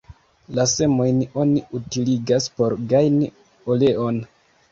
La semojn oni utiligas por gajni oleon.